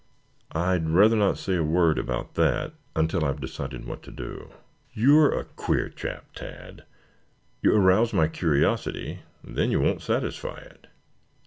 "I'd rather not say a word about that until I have decided what to do." "You're a queer chap, Tad. You arouse my curiosity; then you won't satisfy it."